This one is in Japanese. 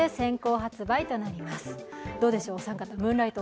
どうでしょう、お三方ムーンライト